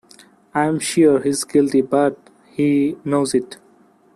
I'm sure he's guilty but... he "knows" it.